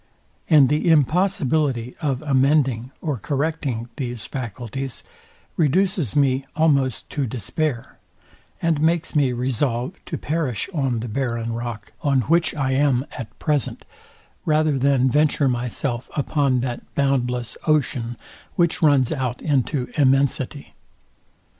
And the impossibility of amending or correcting these faculties, reduces me almost to despair, and makes me resolve to perish on the barren rock, on which I am at present, rather than venture myself upon that boundless ocean, which runs out into immensity.